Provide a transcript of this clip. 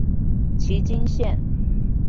旗津線